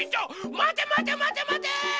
まてまてまてまて！